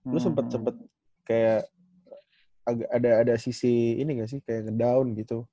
dulu sempet sempet kayak ada sisi ini gak sih kayak ngedown gitu